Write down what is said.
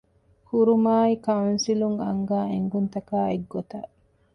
ކުރުމާއި ކައުންސިލުން އަންގާ އެންގުންތަކާއި އެއްގޮތަށް